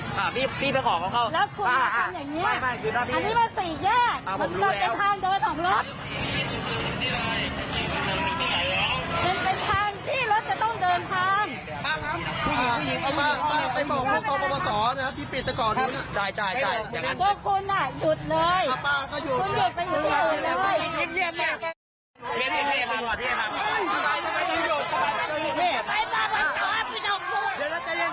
เป็นทางที่รถจะต้องเดินทาง